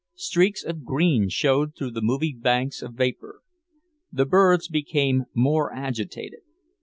Streaks of green showed through the moving banks of vapour. The birds became more agitated.